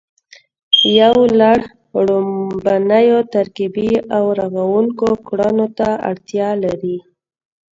یو لړ ړومبنیو ترکیبي او رغوونکو کړنو ته اړتیا لري